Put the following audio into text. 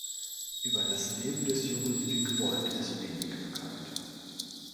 Über das Leben des jungen Wigbold ist wenig bekannt.